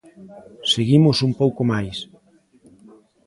Seguimos un pouco máis.